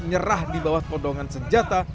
nyerah di bawah pondongan senjata